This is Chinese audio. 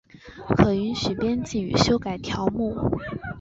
可允许编辑与修改条目。